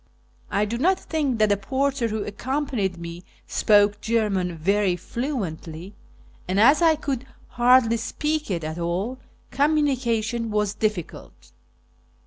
I do not think that the porter who accompanied me spoke German very fluently, and, as I could hardly speak it at all, communication was difficult.